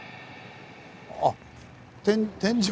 あっ！